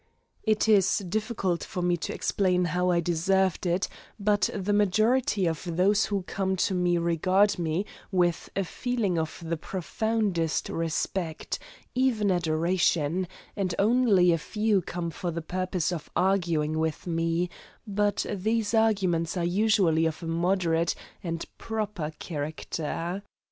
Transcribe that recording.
It is difficult for me to explain how I deserved it, but the majority of those who come to me regard me with a feeling of the profoundest respect, even adoration, and only a few come for the purpose of arguing with me, but these arguments are usually of a moderate and proper character.